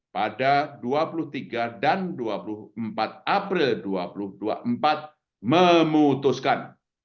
pada dua puluh tiga dan dua puluh empat april dua ribu dua puluh empat memutuskan